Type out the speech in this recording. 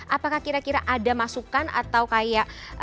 apakah kira kira ada masukan atau kayak